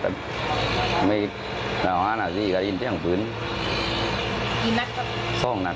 เหมือนคน๒คนกำลังคุยกัน